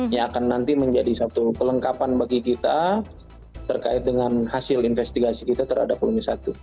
yang akan nanti menjadi satu kelengkapan bagi kita terkait dengan hasil investigasi kita terhadap volume satu